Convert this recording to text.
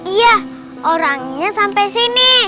iya orangnya sampai sini